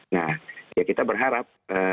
nah ya kita berharap